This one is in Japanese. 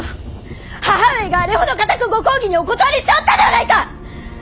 母上があれほど固くご公儀にお断りしておったではないか！